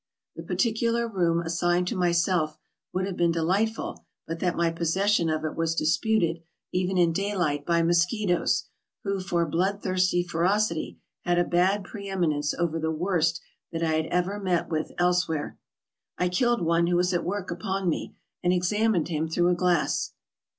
The particular room assigned to myself would have been delightful, but that my possession of it was disputed, even in daylight, by mosquitoes, who for bloodthirsty ferocity had a bad preeminence over the worst that I had ever met with elsewhere. I killed one who was at work upon me, and examined him through a glass.